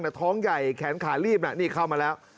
แต่ท้องใหญ่แขนขาลีบน่ะนี่เข้ามาแล้ว